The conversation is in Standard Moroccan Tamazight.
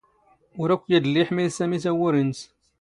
ⵓⵔ ⴰⴽⴽⵯ ⵢⴰⴷⵍⵍⵉ ⵉⵃⵎⵉⵍ ⵙⴰⵎⵉ ⵜⴰⵡⵓⵔⵉ ⵏⵏⵙ.